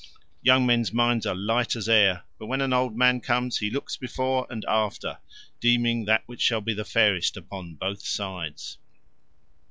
Young men's minds are light as air, but when an old man comes he looks before and after, deeming that which shall be fairest upon both sides."